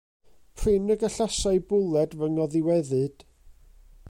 Prin y gallasai bwled fy ngoddiweddyd.